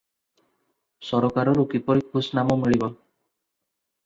ସରକାରରୁ କିପରି ଖୁସ୍-ନାମ ମିଳିବ